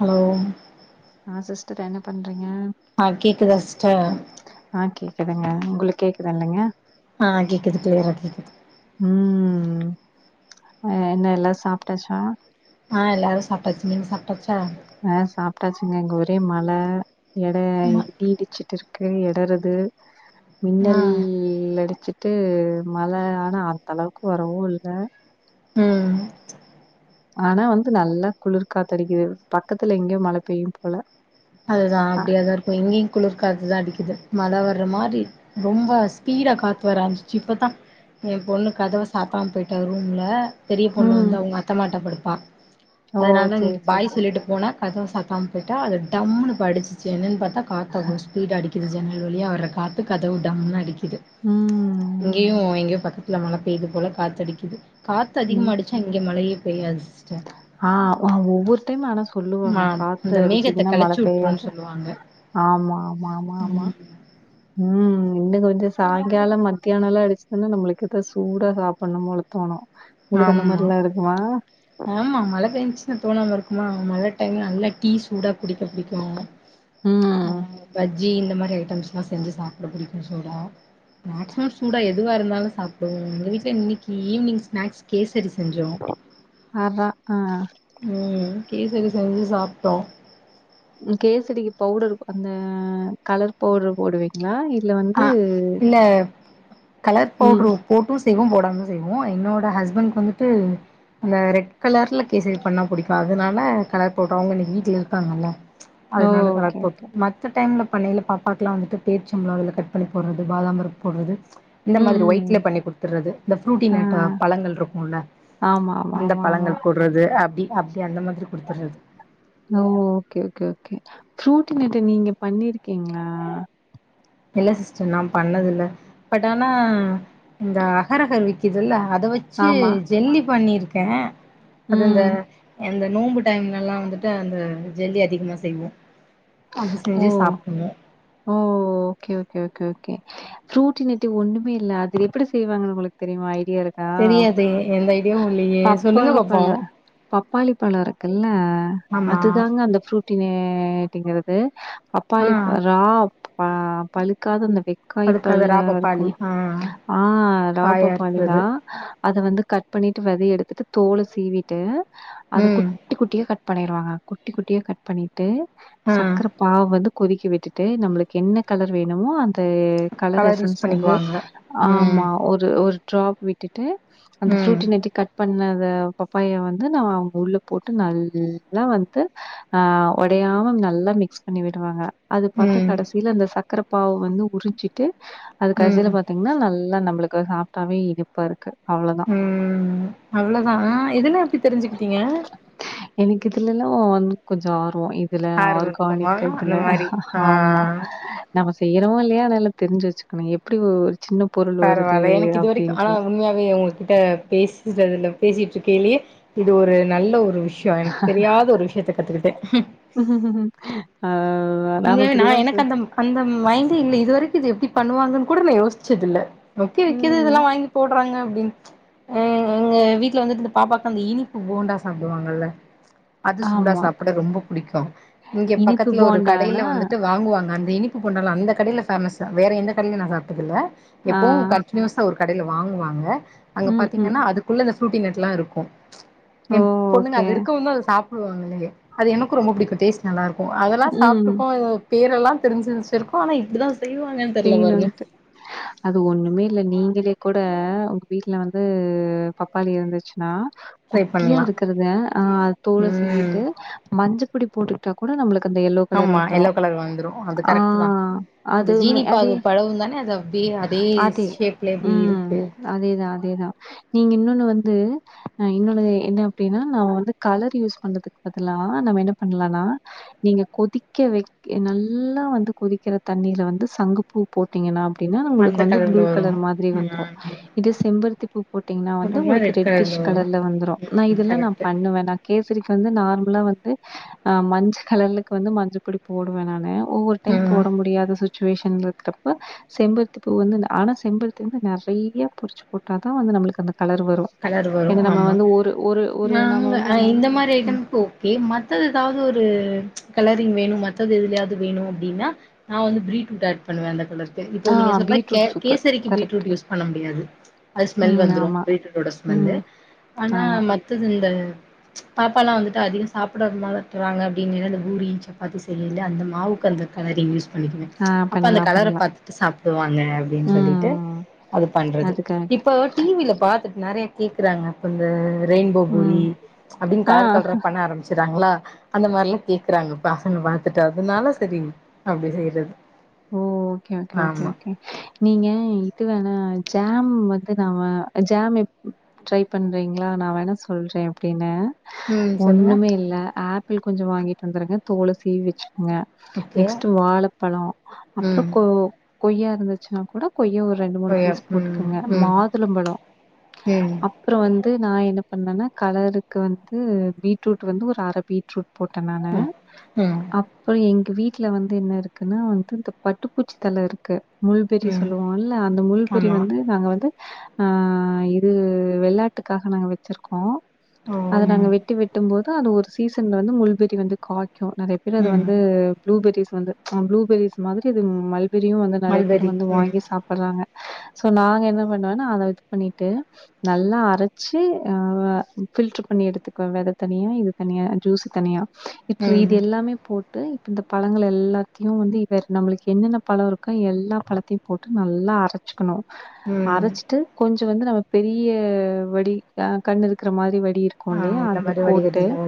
Hello ஆ sister என்ன பண்றீங்க ஆ கேக்குதா சிஸ்டர் ஆ கேக்குதுங்க உங்களுக் கேக்குதல்லைங்க ஆ கேக்குது க்ளியரா கேக்குது ம் அ என்ன எல்லா சாப்ட்டாச்சா ஆ எல்லாரு சாப்ட்டாச்சு நீங்க சாப்ட்டாச்சா ஆ சாப்ட்டாச்சுங்க இங்க ஒரே மழ எட ஆமா இடி இடிச்சிட்டுர்க்கு எடருது ஆ மின்னல் அடிச்சிட் டு மழ ஆனா அந்தளவுக்கு வரவு இல்ல ம் ஆனா வந்து நல்லா குளிர் காத்தடிக்கிது பக்கத்துல எங்யோ மழ பெய்யு போல அதுதா அப்டியாதா இருக்கு இங்கயு குளிர்காத்து தா அடிக்கிது மழ வர்ற மாரி ரொம்ப ஸ்பீடா காத்து வர ஆரமிச்சிர்ச்சு இப்பத்தா எ பொண்ணு கதவ சாத்தாம் போய்ட்டா ரூம்ல பெரிய பொண்ணு ம் வந்து அவ்ங்க அத்தமாட்ட படுப்பா ஓ அதுனால இங்க சேரி சேரி பாய் சேரி சொல்லிட்டு போனா கதவ சத்தாம் போய்ட்டா அது டம்முனு இப்ப அடிச்சுச்சு என்னன் பாத்தா காத்து அவ்ளோ ஸ்பீடா அடிக்கிது ஜன்னல் வழியா வர காத்து கதவ டம்முனு அடிக்கிது ம் இங்கயு எங்யோ பக்கத்துல மழ பேய்து போல காத்தடிக்கிது காத்து ம் அதிகமா அடிச் சா இங்க மழையே பெய்யாது சிஸ்டர் ஆ வாவ் ஒவ்வொரு டைம் ஆனா ஆமா சொல்லுவாங்க காத்து இந்த மேகத்த அடிச்சுதுன்னா மழ கெளச்சு விட்ருன்னு பெய்யாது சொல்லுவாங்க ஆமா ஆமா ஆமா ஆமா ம் இன்னு கொஞ்சோ சாய்ங்காலம் மத்யானல்லா அடிச்சுதுன்னா நம்ளுக்கு எதோ சூடா சாப்பட்ணும் போல தோணு ஆம்மா ஆமா மழ பேஞ்ச்ன்னா தோணாம இருக்குமா மழ டைம்ல நல்லா டீ சூடா குடிக்க புடிக்கு ஆ ம். பஜ்ஜி இந்த மாரி ஐட்டம்ஸ்லா செஞ்சு சாப்ட புடிக்கு சூடா மேக்ஸிமம் சூடா எதுவா இருந்தாலு சாப்டுவோ எங்க வீட்ல இன்னிக்கி ஈவ்னி்ங் ஸ்நாக்ஸ் கேசரி செஞ்சோ ஆஹா ஆ ம் கேசரி செஞ்சு சாப்ட்டோ ம் கேசரிக்கு பவுடர் அந்த கலர் பவுட்ரு போடுவீ ங்ளா இல்ல வந்து ஆ இல்ல கலர் ம் பவுட்ரு போட்டு செய்வோ போடாம்லு செய்வோ என்னோட ஹஸ்பண்ட்க் வந்துட்டு அந்த ரெட் கலர்ல கேசரி பண்ணா புடிக்கு அதுனால கலர் போட்றோ அவுங்க இன்னிக் வீட்ல இருக்காங்கல்ல ஓ! அதுனால ஓகே, கலர் போட் ஓகே. மத்த டைம்ல பண்ணைல பாப்பாக்குலா வந்துட்டு பேர்ச்சம் பழோ அதுல கட் பண்ணி போட்றது பாதாம் பருப் போட்றது இந்த ம், மாதிரி ஒய்ட்ல ம். பண்ணி குடுத்தட்றது இந்த ஃப்ரூட்டி ஆ. நேட்டா பழங்கள்ருக்குல்ல ஆமா ஆமா ஆமா ஆமா. பழங்கள் போட்றது அப்டி அப்டி அந்த மாதிரி குடுத்தட்றது ஓ ஓகே ஓகே ஓகே ஃப்ரூட்டி நெட்டி நீங்க பண்ணிருக்கீங்ளா இல்ல சிஸ்டர் நா பண்ணதில்ல பட் ஆனா இந்த அஹர் அஹர் விக்குதுல்ல அத வெச்சு ஆமா. ஜெல்லி பண்ணிருக்கே அது இந்த ம். இந்த நோம்பு டைம்லெல்லா வந்துட்டு அந்த ஜெல்லி அதிகமா செய்வோ அது செஞ்சு ஓ! சாப்டுவோ ஓ ஓகே ஓகே ஓகே ஓகே ஃப்ரூட்டி நெட்டி ஒன்னுமே இல்ல அது எப்பிடி செய்வாங்கன் உங்களுக் தெரியுமா ஐடியா இருக் தெரியாதே எந்த ஐடியாவு இல்லையே சொல்லுங்க பப்பாளி பாப்போ பழம் பப்பாளி பழொருக்குல்ல ஆமா அதுதாங்க அந்த ஃப்ரூட்டினேட்டிங்கிறது ஆ பப்பாளி பழ ரா ப பழுக்காத அந்த பிக் அதுக்கு காய்பல் அது இருக்கு ராபப்பாளி ஆ ஆ ரா காயா பப்பாளி தா இருக்கிறது அத வந்து கட் பண்ணிட்டு வெத எடுத்துட்டு தோல சீவிட்டு அத ம் குட் குட்டி குட்டியா கட் பண்ணிருவாங்க குட்டி குட்டியா கட் பண்ணிட்டு ஆ பாவ் வந்து கொதிக்க விட்டுட்டு நம்மளுக்கு என்ன கலர் வேணுமோ தூ கலர் யூஸ் எசன்ஸ் வந்து பண்ணிக்குவாங்க ம் ஆமா ஒரு ஒரு டிராப் விட்டுட்டு அந்த ம் ஃரூட்டி நெட்டி கட் பண்ணத பப்பாய வந்து நா உள்ள போட்டு நல்லா வந்து ஆ ஒடையாம நல்லா மிக் மிக்ஸ் பண்ணி விடுவாங்க அது பாத்தா ம் கடேசில அந்த சக்கர பாவ வந்து உறிஞ்சிட்டு அது கடேசில ம் பாத்தீங்னா நல்லா நம்மளுக்கு சாப்ட்டாவே இனிப்பா இருக்கு அவ்வளோதான். ம் அவ்ளோதா இதெல்லா எப்டி தெரிஞ்சுக்கிட்டீங்க எனக்கு இதுலல்லா வந்து கொஞ்ச ஆர்வொ இதுல ஆர்வ ஆர் இருக்குமா கானிக் அந்த ஐட்டங்க மாரி ஆ ஆமா நம்ம செய்யறோமோ இல்லையா அதெல்லா தெரிஞ்சு வச்சுக்கணு எப்டி பரவாயில்ல எனக்கு இது வரக்குஆனா உண்மையாவே உங்க கிட்ட பேசறதுல பேசிட் ருக்கயிலயே இது ஒரு நல்ல ஒரு விஷ்யொ எனக்கு தெரியாத ஒரு விஷயத்த கத்துக்கிட்டே அ நாம உண்மயாவே நா இப்படிலாம் பே எனக்கு அந்த அந்த மைண்டே இல்ல இதுவரைக்கு இது எப்டி பண்ணுவாங்கன்னு கூட நா யோசிச்சதில்ல ஒக்கே விக்குது ம். இதெல்லா வாங்கி போட்றாங்க அப்டீன் அ எங்க வீட்ல வந்துட்டு இந்த பாப்பாவுக்கு அந்த இனிப்பு போண்டா சாப்பிடுவாங்கல்ல அது சூடா ஆமா. சாப்ட ரொம்ப புடிக்கு இங்க இனிப்பு பக்கத்துல ஒரு போண்டானா, கடையில வந்துட்டு வாங்குவாங்க அந்த இனிப்பு போண்டாலா அந்த கடைல பேமஸ்ஸு வேற எந்த கடைலயு நா சாப்டதில்ல ஆ, எப்பவு கன்டினியூஸா ஒரு கடைய்ல வாங்குவாங்க அங்க ம், ம். பாத்தீங்கன்னா அதுக்குள்ள அந்த ப்ரூட்டி நட்டெல்லா இருக்கு எ ஓ! பொண்ணுங்க ஓகே. அது இருக்கவுந்தா அத சாப்புடுவாங்ளே அது எனக்கு ரொம்ப புடிக்கு டேஸ்ட் நல்லா ருக்கு அதெல்லா சாப் ம். பேரெல்லா தெரிஞ்சு வச்சிருக்கொ ஆனா இப்படித்தா செய்வாங்கனு செய்னுன்ட்டு அது ஒண்ணுமே இல்ல நீங்களே கூட உங்க வீட்ல வந்து பப்பாளி இருந்துச்சுன்னா ட்ரை குட்டியா பண்ணலா இருக்குறத ஆ தோல ம் சீவிட்டு மஞ்ச பொடி போட்டு கூட நம்மளுக்கு அந்த எல்லோ கலர் ஆமா வந்துரு எல்லோ கலர் வந்துரு ஆ அதுமே இப்ப அது படவும் தானே அது அப்படியே அதே ஷேப்ல இப்டி இருக்கு அதேதா அதேதா நீங்க இன்னொன்னு வந்து அ இன்னொனு என்ன அப்டின்னா நாம வந்து கலர் யூஸ் பண்றதுக்கு பதிலா நம்ம என்ன பண்லானா நீங்க கொதிக்க வை நல்லா வந்து கொதிக்கிற தண்ணீல வந்து சங்கு பூ போட்டீங்கன்னா அப்டின்னா உங்களுக்கு அந்த வந்து ப்ளூ கலர்ல வரு கலர் மாதிரி வந்துரு ம் இதே செம்பருத்தி பூ போட்டீங்னா வந்து அப்றமா உங்களுக்கு ரெட் ரெட்டிஷ் வரு கலர்ல வந்துரு நா ம் இதெல்லா நா கரெக்ட் பண்ணுவேன்னா கேசரிக்கு வந்து நார்மலா வந்து நா மஞ்ச கலர்க்கு வந்து மஞ்ச பொடி போடுவ நானு ஒவ்வொரு டைம் ம் போட முடியாத சுச்சுவேஷன் இருக்குறப்ப செம்பருத்தி பூ வந்து ஆனா செம்பருத்தி வந்து நெறையா பொரிச்சு போட்டா தா வந்து நம்மளுக்கு அந்த கலர் வரு கலர் வரு ஆமா நம்ம நாங்க வந்து என்ன இந்த மாரி ம். ஐட்டம் கொ கே மத்தது ஏதாவது ஒரு கலரிங் வேணு மத்தது எதுலயாவது வேணு அப்டின்னா நா வந்து ப்ரீட்ரூட் ஆட் பண்ணுவ அந்த கலருக் கு இப்போ ஆ நீங்க சொன்ன மாரி கே பீட்ரூட் சூப்பர். கேசரிக்கு கரெக்ட். பீட்ரூட் யூஸ் பண்ண முடியாது அது ஸ்மெல் ம் வந்துரு ஆமா. பீட்ரூட் ஸ்மெல்லு ம் ஆனா ஆமா. மத்தது இந்த பாப்பாலா வந்துட்டு அதிக சாப்புட்ற மாட்றாங்க அப்புடின் இந்த பூரி சப்பாத்தி செய்றில்ல அந்த மா மாவுக்கு அந்த கலர யூஸ் பண்ணிக்குங்க ஆ அப்ப அந்த பண்ணலாம், கலர பண்ணலாம். பாத்துட்டு சாப்புடுவாங்க அப்டின்னு சொல்லிட்டு ம். அது பண்றது அது கரெக்ட். இப்போ டிவில பாத்துட்டு நறைய கேக்கறாங்க இப்ப அந்த ரெயின்போ பூரி ம். அப்டின்னு ஆ. கலர் கலரா பண்ண ஆரம்மிச்சர்றாங்களா அந்த மாரிலா கேக்கறாங்க பசங்க பாத்துட்டு அதனால செரி அப்பிடி செய்யறது ஓ ஓகே ஓகே ஓகே ஓகே நீங்க இது வேணா ஜாம் வந்து நாம ஜாம் எப் ட்ரை பண்றீங்களா நா வேண சொல்றே எப்பிடின்னு ம் சொல்லுங்க ஒண்ணுமே இல்ல ஆப்பிள் கொஞ்சோ வாங்கிட்டு வந்துருங்க தோல சீவி வச்சுகுங்க ஓகே நெக்ஸ்ட்டு வாழைப்பழோ அப்புறோ ம் கொ கொய்யா இருந்துச்சுன்னா கூட கொய்யா ஒரு ரெண்டு மூணு கொய்யா பீஸ் ம் போட்டுக்கங்க ம் மாதுளம்பழோ ம் அப்புறோ வந்து நா என்ன பண்ணன்னா கலருக்கு வந்து பீட்ரூட் வந்து ஒரு அரபீட் ட்ரூட் போட்ட நானு ம் ம் அப்புறோ எங்க வீட்ல வந்து என்னருக்குன்னா வந் து இந்த பட்டுப்பூச்சி தலருக்கு முல்பெறி ம் சொல்லுவோல்ல அந்த முல்பறி ஆமா வந்து நாங்க வந்து ஆ இது வெள்ளாட்டுக்காக நாங்க வச்சிருக்கோ ஓ அத நாங்க ம் வெட்டி வெட் ட்டும் போது அது ஒரு சீசன்ல வந்து முல்பறி வந்து காய்க்கு நறைய பேர் அத ம் வந்து ப்ளூபெரிஸ் வந்து ஆ ப்ளூபெரிஸ் மாரி இது மல்பெரியு வந்து நறைய பேர் மல்பெரி வந்து ம் வாங்கி சாப் பர்றாங்க சோ நாங்க என்ன பண்ணுவோன்னா அத இது பண்ணிட்டு நல்லா அரைச்சு ஆ வ பில்டர் பண்ணி எடுத்துக்குவே வெத தனியா இது தனியா ஜூசு தனியா இப்ப இது ம் எல்லாமே போட்டு இப்ப இந்த பழங்கள் எல்லாத்தையு வந்து வேற நம்மளுக்கு என்னென்ன பழோருக்கோ எல்லா பழத்தையும் போட்டு நல்லா அரைச் சுக்கனு ம் அரச்சிட்டு கொஞ்சோ வந்து நம்ம பெரிய வடி ஆ கண்ணு இருக்கற மாரி வடி இருக் ஆ குல்லையா இந்த அதுல மாரி போட்டு வடிகட்டில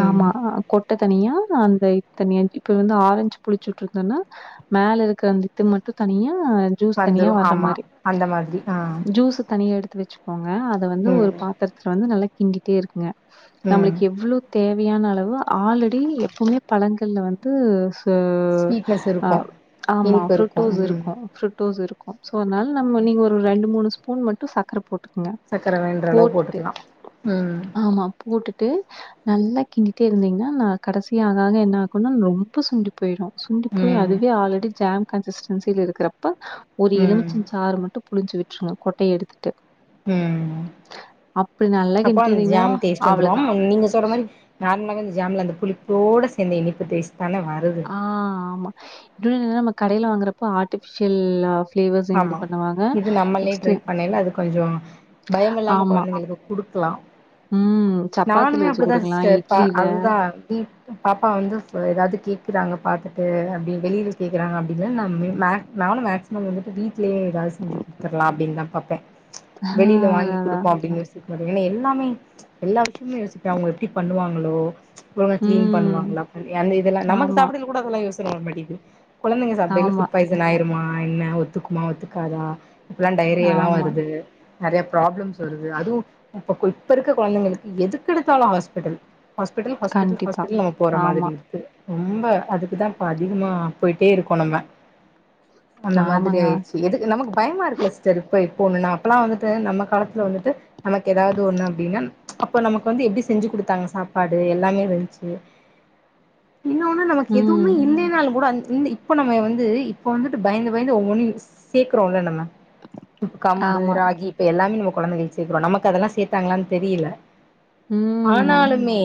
ம் ஆமா கொட்ட தனியா அந்த இது தனியா இப்ப வந்து ஆரஞ்சு புளிச்சுட்டுருக் குதனா மேலருக்குற இது மட்டு தனியா ஜூஸ் தனியா வந்துரு வர்ற ஆமா மாரி அந்த மாதிரி ஆ ஜூஸ் தனியா எடுத்து வச்சு கோங்க அத வந்து ஒரு ம் பாத்துரத்துல வந்து நல்லா கிண்டிட்டே இருங்க ம் நம்மளுக்கு எவ்ளோ தேவையான அளவோ ஆல்ரெடி எப்பவுமே பழங்கள்ல வந்து து ஸ்வீட்னஸ் அ இருக்கு ஆமா இனிப்பு இருக்கு ம் ஃப்ரூட்டூஸ்யிருக்கு ஃப்ரூட் டூஸ்ருக்கு சோ அதனால நம்ம நீங்க ஒரு ரெண்டு மூணு ஸ்பூன் மட்டு சக்கர போட் ட்டுகங்க சக்கர வேண்ற அளவு போட்டுட்டு போட்டுக்கலா ம் ஆமா போட்டுட்டு நல்லா கிண்டிட்டே இருந்தீங்னா கடைசியா ஆகாக என்ன ஆகுன்னா ரொம்ப சுண்டி போயிடு சுண்ட் போய் ம் அதுவே ஆல்ரெடி ஜாம் கன்சிஸ்டன்சியில இருக்கறப்ப ஒரு ம் எலமிச்ச சாறு மட்டு புழிஞ்சு விட்டுருங்க கொட்டைய எடுத்துட்டு ம் அப்படி நல்லா அப்போ அந்த கிண்டிட்டீங்கன்னா, ஜாம் டேஸ்ட்டு வந்துரு ஆம் அவ்வளதான். நீங்க சொல்ற மாரி சூப் நார்மலாவே இந்த ஜாம்ல அந்த புளிப்போட சேந்து இனிப்பு டேஸ்ட்தான வரு ஆ ஆமா இன்னொன்னு என்னன்னா நம்ம கடையில வாங்கறப்போ ஆர்டிபிஷியல்லா ஆமா இது நம்மளயே ட்ரை பண்ணிர்லா அது கொஞ்சோ பயமில்லாம ஆமா. கொழந்தைகளுக்கு குடுக்கலா ம். சப்பாத்தில நானுமே வச்சு அப்பிடிதா குடுக்கலாம். சிஸ்டர் ப இட்லில. அதுதா இப் பாப்பா வந்து ஃப ஏதாவது கேக்குறாங்க பாத்துட்டு அப்பிடி வெளியில கேக்கறாங்க அப்பிடின்னா நா மே மேக் நானு மேக்சிமம் வந்துட்டு வீட்லயே ஏதாவது செஞ்சு கொடுத்தர்லா அப்பிடின்னு தா பாப்பே ஆ வெளியில வாங்கி அதான், அதான். குடுப்போ அப்படின்னு யோசிக்க மாட் ஏனா எல்லாமே எல்லா விஷயோ யோசிப்பே அவங்கள எப்பிடி பண்ணுவாங்களோ ஒழுங்கா கிளீன் ம். பண்ணுவாங்களா அந்த இதல்லா நமக்கு ஆமா, சாப்பிடய்ல கூட அதெல்லா யோசன வர மாட்டிங்குது குழந்தைங்க சாப்டய்ல ஆமா, ஃபுட் பாய்சன் எதனா ஆயிருமா என்ன ஒத்துக்குமா ஒத்துக்காதா இப்பல்லா டையேரியாலா ஆமா. வருது நெறய ப்ராப்ளம்ஸ் வருது அதுவூ இப்பக் கு இப்ப இருக்கர குழந்தைங்களுக்கு எதுக்கெடுத்தாலூ ஹாஸ்பிட்டல் ஹாஸ்பிட்டல் ஹாஸ்பிட்டல் கண்டிப்பா. ஹாஸ்பிட்டல் நம்ம போற மாதிரி ஆமா, இருக் க்கு ரொம்ப அதுக்குதா இப்ப அதிகமா போயிட்டே இருக்கோ நம்ம அந்த மாரித் ஆமாங்க. எதுக்கு நமக்கு பயமா இருக்குல்ல சிஸ்டர் இப்போ இப்போ நா அப்பெல்லா ஒன்னுன்னா அப்போலா வந்துட்டு நம்ம காலத்தில வந்துட்டு நமக்கு ஏதாவது ஒண்ணு அப்டின்னா அப்போ நமக்கு வந்து எப்பிடி செஞ்சு கொடுத்தாங்க சாப்பாடு எல்லாமே இருந்ச்சு இன்னொன்னு நமக்கு ம். எதுவுமே இல்லன்னாலூ கூட இப்ப நம்ம வந்து இப்ப வந்துட்டு பயந்து பயந்து ஒவ் ஒன்னு சேக்குறோம்ல்ல நம்ம இப்ப கம்பு ஆமா. ராகி இப்ப எல்லாமே நம்ம கொழந்தைகளுக்கூ சேக்குறோ நமக்கு அதெல்லா சேர்த்தாங்களான்னு தெரியல ம் ஆனாலுமே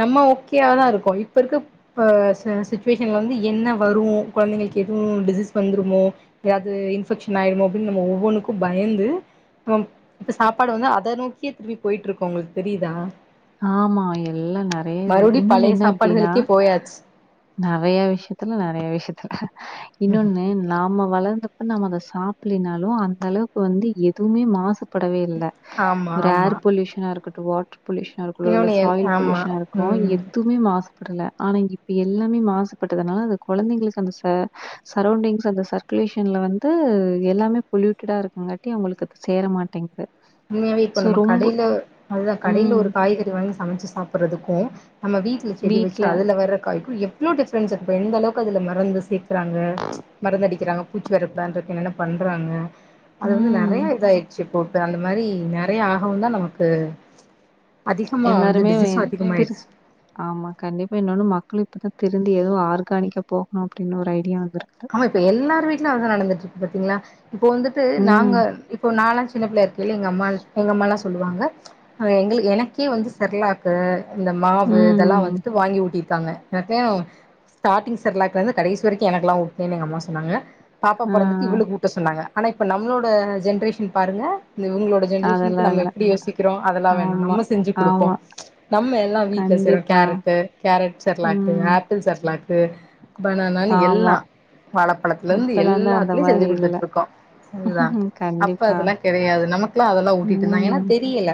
நம்ம ஓகோயா தா இருக்கோ இப்ப இருக்க இப்ப ச சுச்சுவேஷன் வந்து என்ன வரூ கொழந்தைகளுக்கு எதுவூ டிசீஸ் வந்துரும்மோ ஏதாவது இன்ஃபெக்ஷன் ஆயிர்மோ அப்டின்னு நம்ம ஒவ்வொன்க்கூ பயந்து இப்பெ சாப்பாடு வந்து அத நோக்கியே திருப்பி போயிட்டுருக்கோ உங்களுக்கு தெரியுதா ஆமா எல்லா நெறய இதுல மறுபடி இன்னொன்னு பழைய என்ன அப்டின்னா சாப்பாடுகளுக்கே போயாச்சு நறய விஷயத்துல நறய விஷயத்துல இன்னொன்னு நாம வளந்தப்ப நாம அத சாப்பில்லைனாலூ அந்த அளவுக்கு வந்து எதுவுமே மாசு படவே இல்ல ஆமா ஒரு ஆமா ஏர் பொல்யூஷனா இருக்கட்டூ வாட்டர் பொல்யூஷ் அதுக்குள்ள இன்னொன்னு எல் சாயில் ஆமா பொல்யூஷன்னா இருக்கூ ம் எதுக்குமே மாசு ப்படல ஆனா இப்ப எல்லாமே மாசுபட்டதுனால அது கொழந்தைங்களுக்கு அந்த ச சரோண்டிங்ஸ் அந்த சர்க்குலேஷன்ல வந்து எல்லாமே பொல்யூட்டடா இருக்குங்காட்டி அவங்களுக்கு சேர மாட்டேங்குது உண்மையாவே இப்ப ஸோ நம்ம ரொம்ப கடையில அதுதா கடையில ம். ஒரு காய்கறி வாங்கி சமைச்சு சாப்றதுக்கூ நம்ம வீட்ல செடி வெச்சு அதுல வர்ற காய்க்கூ எப் இவ்ளோ டிஃப்ரன்ஸ் இருக்கு எந்த அளவுக்கு மருந்து சேக்குறாங்க மருந்து அடிக்கிறாங்க பூச்சி வரக் பிளான் இருக்கு என்னென்ன பண்றாங்க அது வந்து ம். நெறய இதாயிடுச்சு இப்போ போட்டு அந்த மாறி நெறய ஆகவுந் தா நமக்கு அதிகமா வந்து எல்லாருமே டிசீஸும் வே- திரு அதிகமாயிடுச்சு ஆமா கண்டிப்பா இன்னொன்னு மக்கள் இப்பதா திரிந்து ஏதோ ஆர்கானிக்கா போவ்ணூ அப்டின்னு ஒரு ஐடியா வந்துருக்கூ ஆமா இப்ப எல்லார் வீட்லயூ அதுதா நடந்துட்டு இருக்கு பாத்தீங்களா இப்போ வந்துட்டு நாங்க ம். இப்ப நா லா சின்ன பிள்ளையா இருக் எங் அம்மா எங்க அம்மாளா சொல்லுவாங்க அது எங்களுக்கு எனக்கே வந்து செர்லாக்கு இந்த மாவு ம், இதெல்லா வந்து ம். த்து வாங்கி ஊட்டிருங்காங்க எனக்கா ஸ்டாரிங் சர்லாக்குலருந்தூ கடைசி வரைக்கூ எனகெல்லா ஊட் அப்டீனு எங்க அம்மா சொன்னாங்க பாப்பா ஆ, பொறந்துட்டு இவ்ளூக்கு ஊட்ட சொன்னாங்க ஆனா இப்ப நம்மளோட ஜென்ரேஷன் பாருங்க இது இவங்களோட ஜென்ரேஷனுக்கு அதெல்லாம் நம்ம இல்ல. எப்டி யோசிக்கிறோ அதெல்லா வேணா ஆமா, நம்ம செஞ்சு கொடுப்போ ஆமா. நம்ம எல்லா வீட்ல சேய்றோ கண்டிப்பா. கேரட்டு் கேரட் செர்லாக்கு ம். ஆப் பிள் சர்லாக்கு பனானான்னு ஆமா. எல்லா வாழைப் பழத்துல இருந்து இப்பலாம் தான் அந்த எல்லாத்துலயூ செஞ்சு மாரி இல்ல. குடுத்துட்டு இருக்கோ அதுதா அப்ப கண்டிப்பா. அதெல்லா கெடையாது நமக்கெல்லா அதெல்லா ஊட்டிட்டு இருந்தாங்க ஏன்னா ம். தெரியல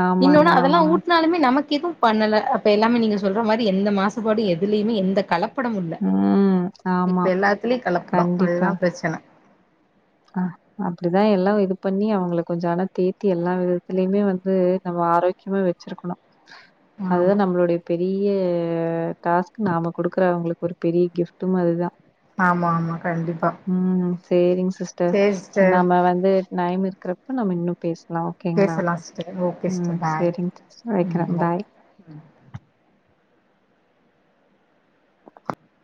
ஆமாங்க இன்னொன்னு அதெல்லா ஆமாங்க. ஊட்னாலுமே நமக்கு எதுவூ பண்ணல அப்ப எல்லாமே நீங்க சொல்ற மாரி எந்த மாசுபாடூ எதுலேயுமே இல்ல கலப்படமும் உண் ம் ஆ இப்ப எல்லாத்திலியு கலப்டோ அதுதாம் பிரச்சன ஆ அப்டிதா எல்லாவு இதுப் பண்ணி அவுங்ள கொஞ்சோ அனத் தேத்தி எல்லா விதத்துலியுமே வந்து நம்ம ஆரோக் க்கியமா வெச்சிருக்குணு அதுதா ஆமா நம்ளுடையப் பெரி ய்ய டாஸ்க்கு நாம குடுக்கறவுங்ளுக் ஒரு பெரிய கிஃப்ட்டு மாதிரிதா ஆம ஆமா கண்டிப்பா ம் சேரிங் சிஸ்டர் சேரி நம்ம வந்து நைம் இருக்கிறப்ப நம்ம இன்னும் பேச்லா ஓகேங்ளா பேசலா சிஸ்டர் ஓகே ம் சிஸ்டர் பாய் சேரிங்ச் வெக்றே பாய்